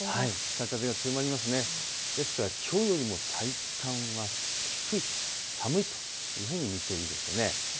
北風が強まるのできょうよりも体感は低い、寒いというふうに見ていいでしょう。